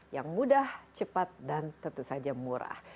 yang mudah cepat dan tentu saja murah